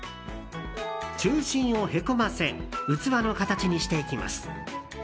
中心をへこませ器の形にしていきます。